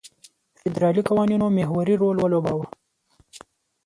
فدرالي قوانینو محوري رول ولوباوه.